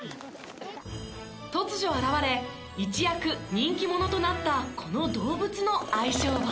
突如現れ一躍人気者となったこの動物の愛称は？